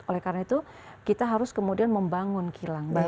oleh karena itu kita harus kemudian membangun kilang